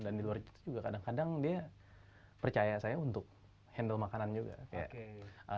dan di luar juga kadang kadang dia percaya saya untuk handle makanan juga